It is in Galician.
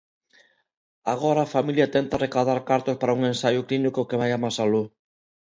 Agora a familia tenta recadar cartos para un ensaio clínico que vaia máis aló.